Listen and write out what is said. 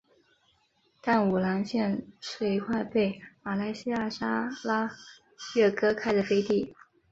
淡武廊县是一块被马来西亚砂拉越割开的飞地。